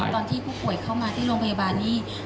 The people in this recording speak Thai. ตอนที่ผู้ป่วยเข้ามาที่โรงพยาบาลนี้